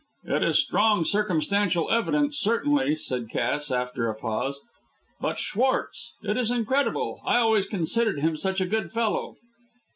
"It is strong circumstantial evidence certainly," said Cass, after a pause. "But Schwartz it is incredible! I always considered him such a good fellow."